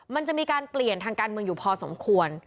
มันจะมีการเปลี่ยนทางการเมืองอยู่พอสมควร